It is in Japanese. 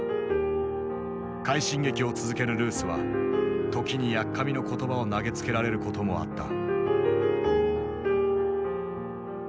快進撃を続けるルースは時にやっかみの言葉を投げつけられることもあった。